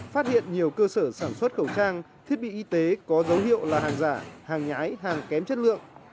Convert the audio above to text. phát hiện nhiều cơ sở sản xuất khẩu trang thiết bị y tế có dấu hiệu là hàng giả hàng nhái hàng kém chất lượng